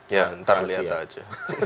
ya ntar melihat aja